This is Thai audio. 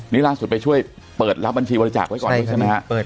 นี่ล่าสุดไปช่วยเปิดรับบัญชีบริจาคไว้ก่อนด้วยใช่ไหมฮะ